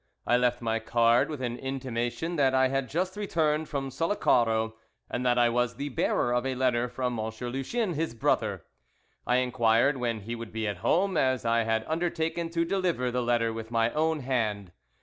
I left my card, with an intimation that I had just returned from Sullacaro, and that I was the bearer of a letter from M. Lucien, his brother. I inquired when he would be at home, as I had undertaken to deliver the letter with my own hand.